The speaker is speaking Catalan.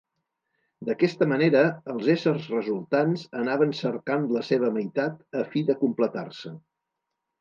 D'aquesta manera, els éssers resultants anaven cercant la seva meitat a fi de completar-se.